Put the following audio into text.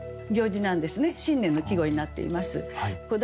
新年の季語になっています。